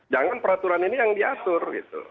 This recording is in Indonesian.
jangan peraturan ini yang diatur gitu